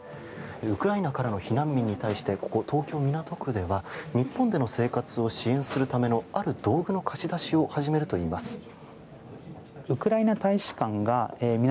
ウクライナからの避難民に対してここ、東京・港区では日本での生活を支援するためのある道具の貸し出しを始めるといいます。